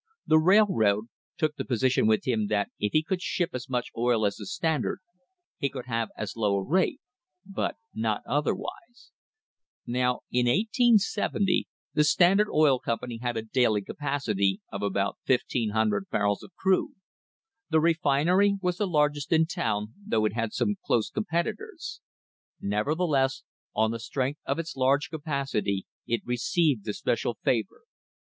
The railroad took the position with him that if he could ship as much oil as the Standard he could have as low a rate, but not otherwise. Now in 1870 the Standard Oil Company had a daily capacity of about 1,500 barrels of crude. The refinery was the largest in the tow r n, though it had some close competi tors. Nevertheless on the strength of its large capacity it re ceived the special favour.